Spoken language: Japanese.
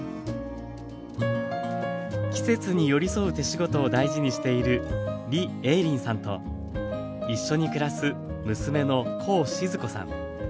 季節に寄り添う手仕事を大事にしている李映林さんと一緒に暮らす娘のコウ静子さん。